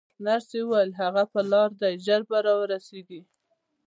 نرسې وویل: هغه پر لار دی، ژر به راورسېږي.